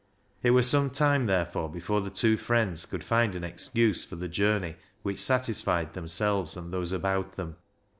It was some time, therefore, before the two friends could find an excuse for the journey which satisfied themselves and those about them.